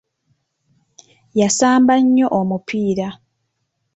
Yaasamba nnyo omupiira.